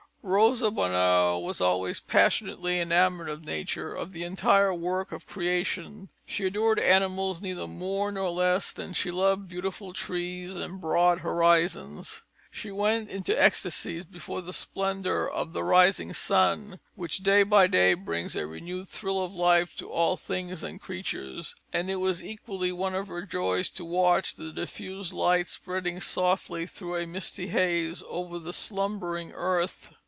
Rosa Bonheur was always passionately enamoured of nature, of the entire work of creation. She adored animals neither more nor less than she loved beautiful trees and broad horizons; she went into ecstacies before the splendour of the rising sun which day by day brings a renewed thrill of life to all things and creatures; and it was equally one of her joys to watch the diffused light spreading softly through a misty haze over the slumbering earth.